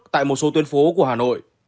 tại một số tuyến phố của hà nội